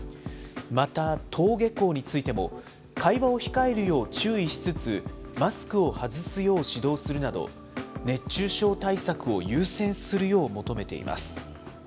また登下校についても、会話を控えるよう注意しつつ、マスクを外すよう指導するなど、熱中症対策を優先するよう求めています。